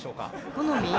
好み？